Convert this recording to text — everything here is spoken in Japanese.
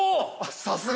さすが！